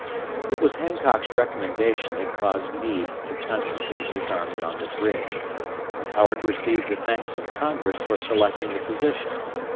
It was Hancock's recommendation that caused Meade to concentrate his army on this ridge, but Howard received the thanks of Congress for selecting the position.